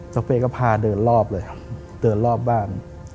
สักเฟย์ก็พาเดินรอบเลยเดินรอบบ้าน